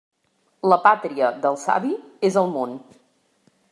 La pàtria del savi és el món.